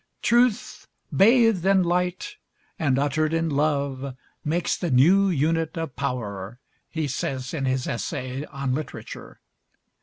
"Truth bathed in light and uttered in love makes the new unit of power," he says in his essay on literature.